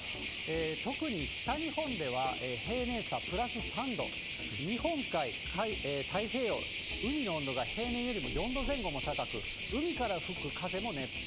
特に北日本では、平年差プラス３度、日本海、太平洋、海の温度が平年よりも４度前後も高く、海から吹く風も熱風。